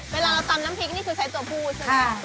เวลาเราตำน้ำพริกนี่คือใช้ตัวผู้ใช่ไหม